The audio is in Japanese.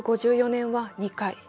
１８５４年は２回。